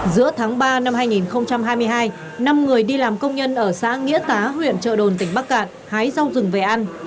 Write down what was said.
giữa tháng ba năm hai nghìn hai mươi hai năm người đi làm công nhân ở xã nghĩa tá huyện trợ đồn tỉnh bắc cạn hái rau rừng về ăn